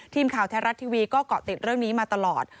ทีมข่าวแท้รัฐทีวีก็เกาะติดเรื่องนี้มาตลอด